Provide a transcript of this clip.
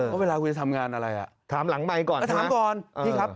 ว่าเวลาคุณจะทำงานอะไรถามก่อนพี่ครับถามหลังใบก่อน